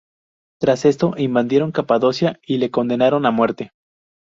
Tras esto invadieron Capadocia y le condenaron a muerte.